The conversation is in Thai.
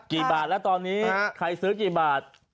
กี่บาทแล้วตอนนี้ใครซื้อกี่บาท